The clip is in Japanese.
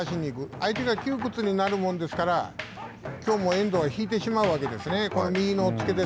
相手が窮屈になるものですからきょうも遠藤は引いてしまうわけですね。